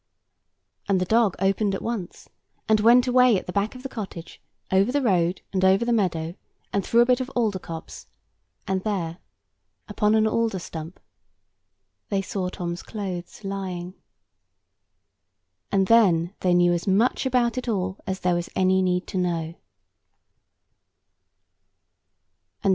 And the dog opened at once; and went away at the back of the cottage, over the road, and over the meadow, and through a bit of alder copse; and there, upon an alder stump, they saw Tom's clothes lying. And then they knew as much about it all as there was any need to know.